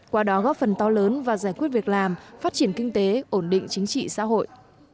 qua đó góp phần to lớn và giải quyết việc làm phát triển kinh tế ổn định chính trị xã hội